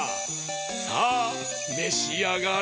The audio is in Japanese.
さあめしあがれ！